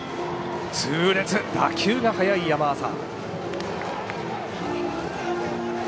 打球が速い山浅。